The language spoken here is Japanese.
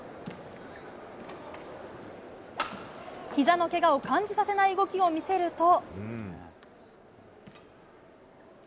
ひざのけがを感じさせない動きを見せると。